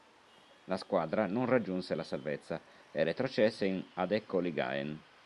La squadra non raggiunse la salvezza e retrocesse in Adeccoligaen.